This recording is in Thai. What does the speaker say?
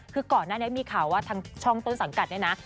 คือก่อนหน้านี้มีข่าวว่าทางช่องต้นสังกัดเนี่ยนะ